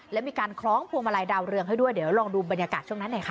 และมีการคล้องพวงมาลัยดาวเรืองให้ด้วยเดี๋ยวลองดูบรรยากาศช่วงนั้นหน่อยค่ะ